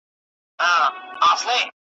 چا د مشر چا د کشر دا منلي .